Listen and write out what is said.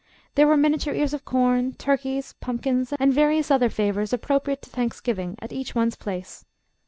There were miniature ears of corn, turkeys, pumpkins and various other favors appropriate to Thanksgiving at each one's place.